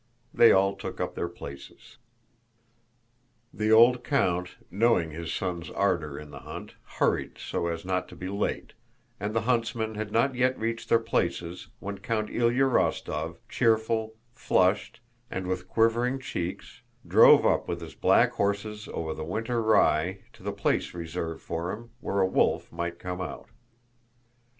They all took up their places. The old count, knowing his son's ardor in the hunt, hurried so as not to be late, and the huntsmen had not yet reached their places when Count Ilyá Rostóv, cheerful, flushed, and with quivering cheeks, drove up with his black horses over the winter rye to the place reserved for him, where a wolf might come out.